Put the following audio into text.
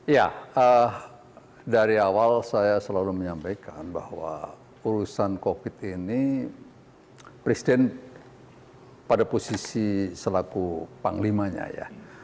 ya dari awal saya selalu menyampaikan bahwa urusan covid ini presiden pada posisi selaku panglimanya ya